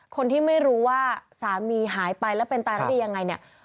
คนที่ไม่รู้ว่าสามีหายไปแล้วเป็นตายราดีอย่างไร